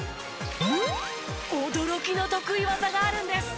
驚きの得意技があるんです。